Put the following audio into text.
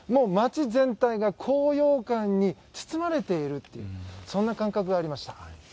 街全体が高揚感に包まれているというそんな感覚がありました。